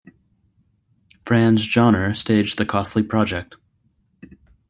Franz Jauner staged the costly project.